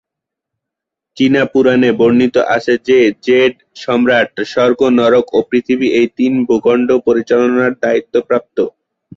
চীনা পুরাণে বর্ণিত আছে যে জেড সম্রাট স্বর্গ, নরক ও পৃথিবী এই তিন ভূখণ্ড পরিচালনার দায়িত্বপ্রাপ্ত।